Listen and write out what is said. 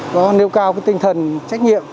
có nêu cao tinh thần trách nhiệm